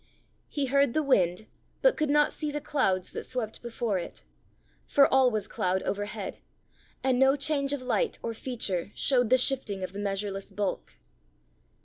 He heard the wind, but could not see the clouds that swept before it, for all was cloud overhead, and no change of light or feature showed the shifting of the measureless bulk.